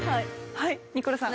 はいニコルさん。